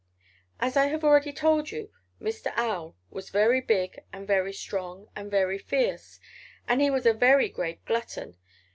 "As I have already told you, Mr. Owl was very big and very strong and very fierce and he was a very great glutton.